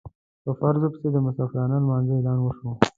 په فرضو پسې د مسافرانه لمانځه اعلان وشو.